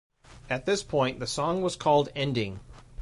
At this point, the song was called Ending.